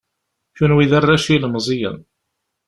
Kunwi d arrac ilemẓiyen.